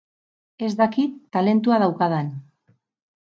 Ez dakit talentua daukadan.